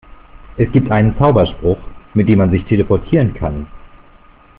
Es gibt einen Zauberspruch, mit dem man sich teleportieren kann.